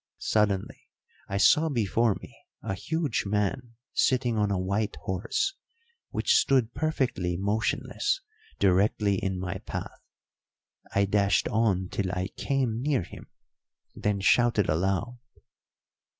Suddenly I saw before me a huge man sitting on a white horse, which stood perfectly motionless directly in my path. I dashed on till I came near him, then shouted aloud.